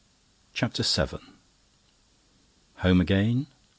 CHAPTER VII Home again.